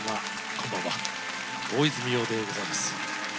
こんばんは大泉洋でございます。